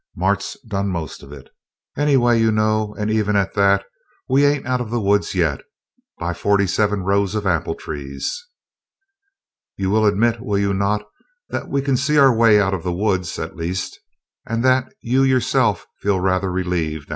"Mart's done most of it, anyway, you know; and even at that, we ain't out of the woods yet, by forty seven rows of apple trees." "You will admit, will you not, that we can see our way out of the woods, at least, and that you yourself feel rather relieved?"